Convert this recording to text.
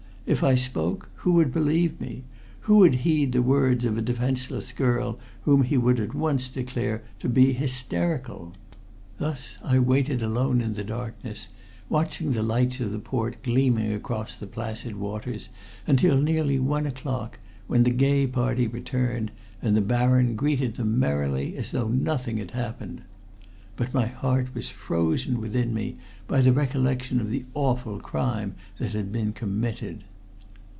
If I spoke, who would believe me; who would heed the words of a defenseless girl whom he would at once declare to be hysterical? Thus I waited alone in the darkness, watching the lights of the port gleaming across the placid waters until nearly one o'clock, when the gay party returned, and the Baron greeted them merrily as though nothing had happened. But my heart was frozen within me by the recollection of the awful crime that had been committed."